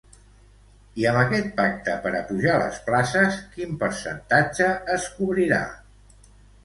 I amb aquest pacte per a pujar les places, quin percentatge es cobrirà?